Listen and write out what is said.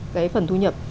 cái phần thu nhập